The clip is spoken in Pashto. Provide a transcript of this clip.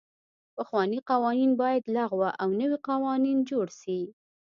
پخواني قوانین باید لغوه او نوي قوانین جوړ سي.